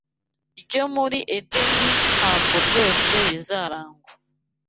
ryo muri Edeni ntabwo byose bizarangwa